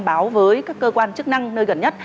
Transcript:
báo với các cơ quan chức năng nơi gần nhất